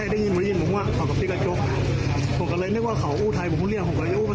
เฮ้ยมึงโวยวายอะไรอย่างงี้เหมือนกันเดี๋ยวมันไหม้อีกอ่ะ